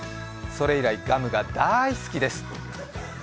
それ以来、ガムがだい好きです！